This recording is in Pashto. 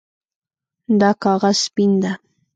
دا کاغذ سپین ده